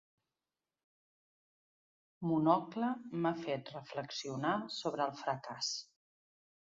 Monocle m'ha fet reflexionar sobre el fracàs.